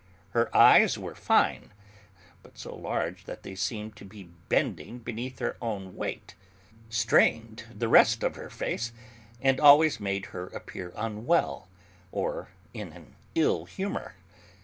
Her eyes were fine, but so large that they seemed to be bending beneath their own weight, strained the rest of her face and always made her appear unwell or in an ill humour.